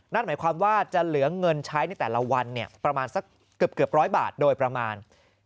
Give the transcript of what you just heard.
นั่นหมายความว่าจะเหลือเงินใช้ในแต่ละวันประมาณสักเกือบร้อยบาทโดยประมาณ